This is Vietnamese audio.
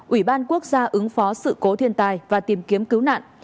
ủy ban quốc gia ứng phó sự cố thiên tai và tìm kiếm cứu nạn